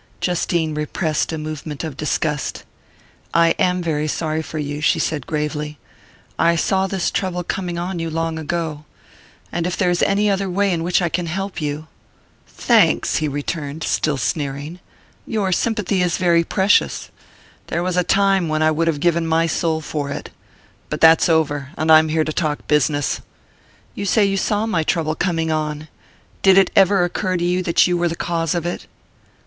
Justine repressed a movement of disgust. "I am very sorry for you," she said gravely. "I saw this trouble coming on you long ago and if there is any other way in which I can help you " "Thanks," he returned, still sneering. "Your sympathy is very precious there was a time when I would have given my soul for it. But that's over, and I'm here to talk business. You say you saw my trouble coming on did it ever occur to you that you were the cause of it?"